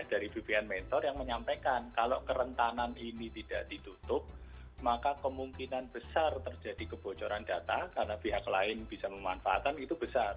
dari bpn mentor yang menyampaikan kalau kerentanan ini tidak ditutup maka kemungkinan besar terjadi kebocoran data karena pihak lain bisa memanfaatkan itu besar